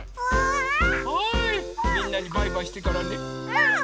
うん！